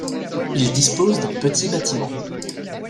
Il dispose d'un petit bâtiment.